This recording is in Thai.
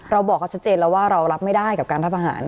เราบอกเขาชัดเจนแล้วว่าเรารับไม่ได้กับการรัฐประหาร